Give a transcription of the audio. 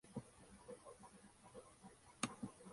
Por lo tanto con el comercio internacional se gana.